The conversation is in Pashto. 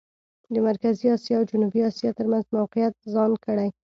د مرکزي اسیا او جنوبي اسیا ترمېنځ موقعیت ځان کړي.